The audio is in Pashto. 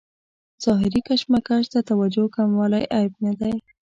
ظاهري کشمکش ته توجه کموالی عیب نه دی.